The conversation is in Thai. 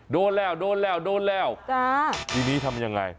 โดนแล้วโดนแล้วโดนแล้วทีนี้ทำยังไง